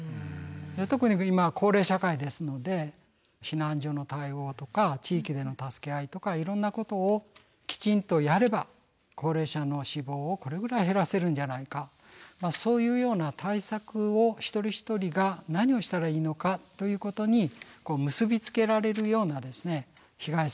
特に今は高齢社会ですので避難所の対応とか地域での助け合いとかいろんなことをきちんとやれば高齢者の死亡をこれぐらい減らせるんじゃないかそういうような対策を一人一人が何をしたらいいのかということに結び付けられるような被害想定。